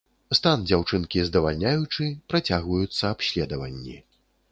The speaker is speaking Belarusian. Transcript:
Стан дзяўчынкі здавальняючы, працягваюцца абследаванні.